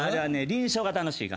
輪唱が楽しいから。